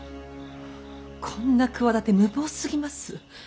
こんな企て無謀すぎます。